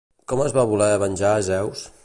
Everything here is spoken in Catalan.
Com es va voler venjar Zeus?